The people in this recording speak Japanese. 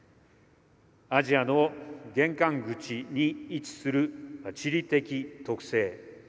アジアの玄関口に位置する地理的特性。